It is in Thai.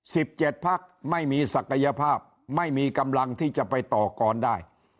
สิบเจ็ดพักไม่มีศักยภาพไม่มีกำลังที่จะไปต่อกรได้